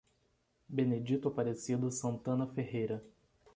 Benedito Aparecido Santana Ferreira